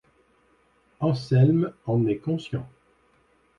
Anselme en est conscient.